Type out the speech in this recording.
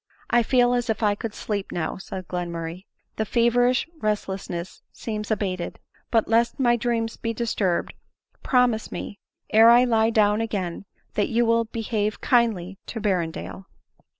" I feel as if I could sleep now," said Glenmurray, " the fe verish resdessness seems abated ; but, lest my dreams be disturbed, promise me, ere I lie down again, that you will behave kindly to Berrendale."